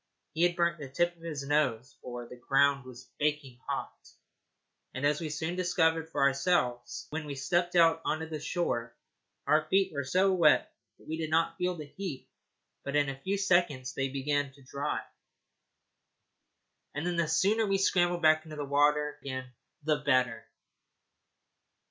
He had burnt the tip of his nose, for the ground was baking hot, as we soon discovered for ourselves. When we first stepped out on shore, our feet were so wet that we did not feel the heat, but in a few seconds they began to dry, and then the sooner we scrambled back into the water again, the better.